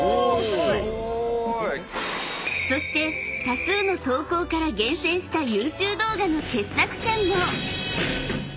［そして多数の投稿から厳選した優秀動画の傑作選も］